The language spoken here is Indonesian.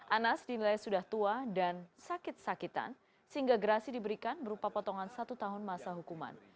anas dinilai sudah tua dan sakit sakitan sehingga gerasi diberikan berupa potongan satu tahun masa hukuman